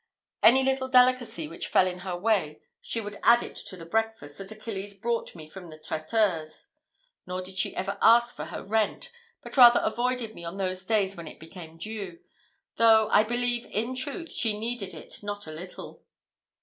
Any little delicacy which fell in her way, she would add it to the breakfast that Achilles brought me from the traiteur's. Nor did she ever ask for her rent, but rather avoided me on those days when it became due; though I believe, in truth, she needed it not a little.